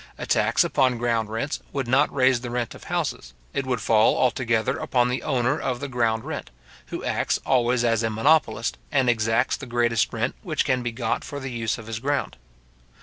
A tax upon ground rents would not raise the rent of houses; it would fall altogether upon the owner of the ground rent, who acts always as a monopolist, and exacts the greatest rent which can be got for the use of his ground.